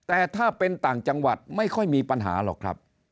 แต่ถ้าเป็นต่างจังหวัดไม่ค่อยมีปัญหาหรอกครับ